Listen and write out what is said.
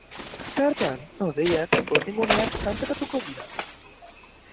Asteartean hodeiak eta urdinguneak tartekatuko dira.